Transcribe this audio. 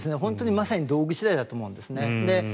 まさに道具次第だと思うんです。